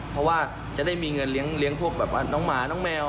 เพราะว่าจะได้มีเงินเลี้ยงพวกแบบว่าน้องหมาน้องแมว